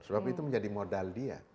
sebab itu menjadi modal dia